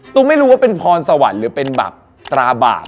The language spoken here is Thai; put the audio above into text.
ไม่รู้ว่าเป็นพรสวรรค์หรือเป็นแบบตราบาด